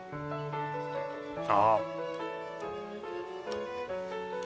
ああ。